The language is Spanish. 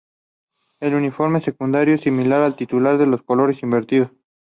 El uniforme secundario es similar al titular con los colores invertidos.